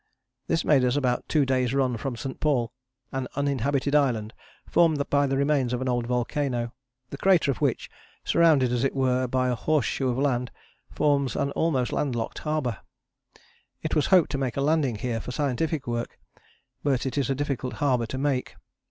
This made us about two days' run from St. Paul, an uninhabited island formed by the remains of an old volcano, the crater of which, surrounded as it were by a horse shoe of land, forms an almost landlocked harbour. It was hoped to make a landing here for scientific work, but it is a difficult harbour to make.